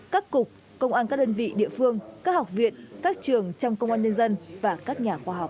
các cục công an các đơn vị địa phương các học viện các trường trong công an nhân dân và các nhà khoa học